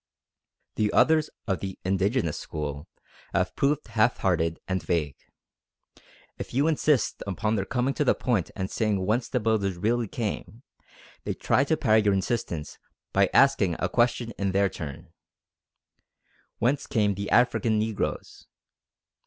The others of the "indigenous" school have proved halfhearted and vague. If you insist upon their coming to the point and saying whence the builders really came, they try to parry your insistence by asking a question in their turn "Whence came the African Negroes?"